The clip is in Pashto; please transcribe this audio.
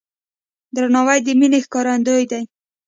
درناوی د مینې ښکارندوی دی.